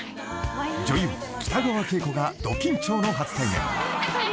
［女優北川景子がド緊張の初対面］